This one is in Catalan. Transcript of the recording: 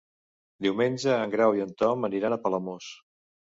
Diumenge en Grau i en Tom aniran a Palamós.